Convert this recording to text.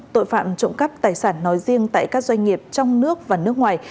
tội phạm trộm cắp tài sản nói riêng tại các doanh nghiệp trong nước và nước ngoài